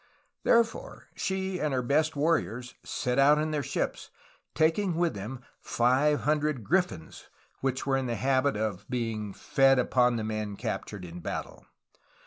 Therefore she and her best warriors set out in their ships, taking with them five hundred griffins, which were in the habit of being ''fed upon the men captured in battle.''